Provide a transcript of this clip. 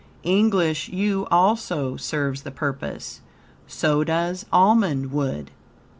English yew also serves the purpose; so does almond wood.